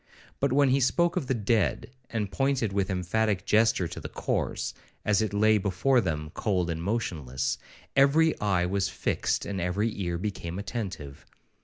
But when he spoke of the dead, and pointed with emphatic gesture to the corse, as it lay before them cold and motionless, every eye was fixed, and every ear became attentive.